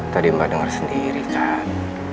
tadi mbak dengar sendiri kan